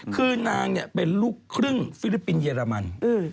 คือนางเป็นลูกครึ่งฟิลิปปินสเยอรมัน